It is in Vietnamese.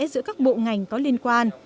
giữa các bộ ngành có liên quan